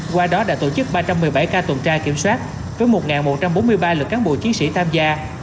qua đó đã tổ chức ba trăm một mươi bảy ca tuần tra kiểm soát với một một trăm bốn mươi ba lực cán bộ chiến sĩ tham gia